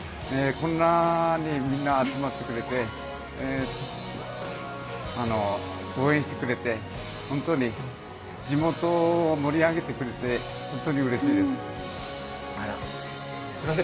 こんなにみんな集まってくれて応援してくれて地元を盛り上げてくれて本当にうれしいです。